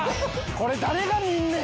これ誰が見んねん！